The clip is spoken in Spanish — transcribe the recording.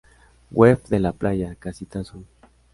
Web de la Playa Casita Azul